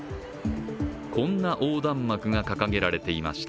こんな横断幕が掲げられていました。